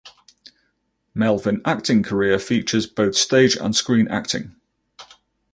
Melvin acting career features both stage and screen acting.